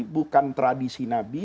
bukan tradisi nabi